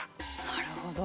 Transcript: なるほど。